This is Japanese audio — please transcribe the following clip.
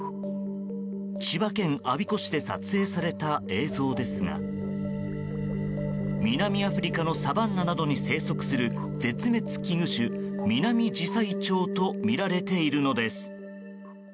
千葉県我孫子市で撮影された映像ですが南アフリカのサバンナなどに生息する絶滅危惧種ミナミジサイチョウとみられているのです。